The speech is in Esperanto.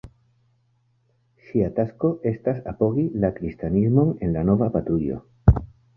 Ŝia tasko estis apogi la kristanismon en la nova patrujo.